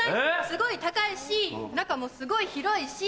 すごい高いし中もすごい広いし。